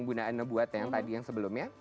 bunda anne buat yang tadi yang sebelumnya